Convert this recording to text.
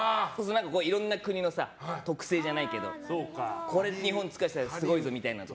いろんな国の特性じゃないけどこれ、日本やらせたら強いぞみたいな。